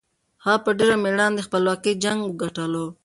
هغه په ډېر مېړانه د خپلواکۍ جنګ وګټلو.